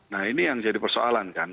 nah ini yang jadi persoalan kan